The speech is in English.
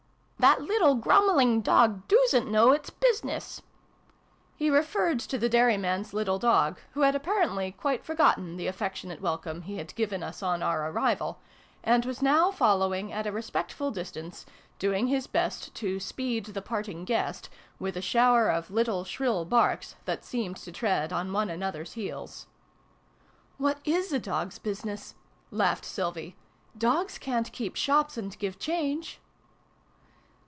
That little grurnmeling 92 SYLVIE AND BRUNO CONCLUDED. dog doosn't know its business !'' He referred to the dairyman's little dog, who had apparently quite forgotten the affectionate welcome he had given us on our arrival, and was now follow ing at a respectful distance, doing his best to ' speed the parting guest ' with a shower of little shrill barks, that seemed to tread on one another's heels. " What is a. dog's business ?" laughed Sylvie. " Dogs ca'n't keep shops and give change